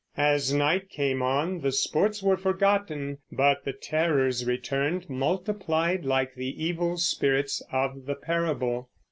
As night came on the sports were forgotten, but the terrors returned, multiplied like the evil spirits of the parable.